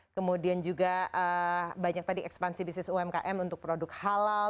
kemudian juga banyak tadi ekspansi bisnis umkm untuk produk halal